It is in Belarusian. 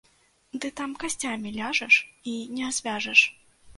Ды там касцямі ляжаш і не звяжаш.